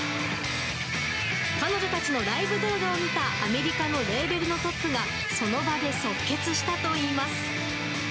彼女たちのライブ動画を見たアメリカのレーベルのトップが、その場で即決したといいます。